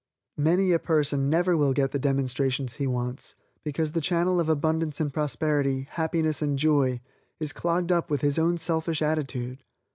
Many a person never will get the demonstrations he wants, because the channel of abundance and prosperity, happiness and joy, is clogged up with his own selfish attitude.